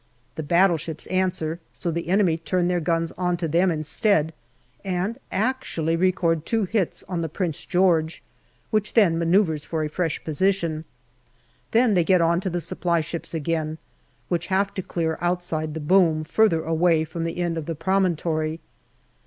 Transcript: The battleships answer, so the enemy turn their guns on to them instead, and actually record two hits on the Prince George, which then manoeuvres for a fresh position. Then they get on to the supply ships again, which have to clear outside the boom, further away from the end of the promontory.